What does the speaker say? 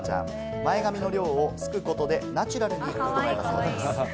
前髪の量をすくことでナチュラルに整えたそうです。